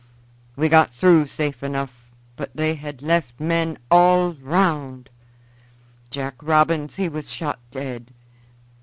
We got through safe enough, but they had left men all round. Jack Robins he was shot dead.